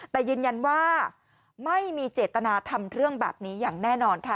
แต่ยืนยันว่าไม่มีเจตนาทำเรื่องแบบนี้อย่างแน่นอนค่ะ